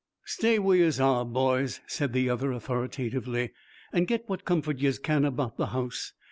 'Stay where yez are, boys!' said the other authoritatively, 'an' get what comfort yez can about the house.